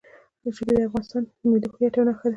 ژبې د افغانستان د ملي هویت یوه نښه ده.